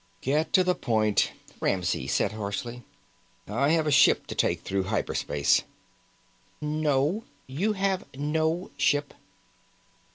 "Get to the point," Ramsey said harshly. "I have a ship to take through hyper space." "No. You have no ship."